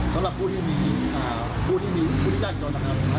สำหรับผู้ที่มีผู้ที่มีผู้ที่ยากจนนะครับ